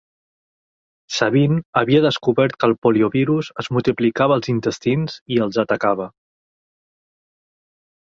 Sabin havia descobert que el poliovirus es multiplicava als intestins i els atacava.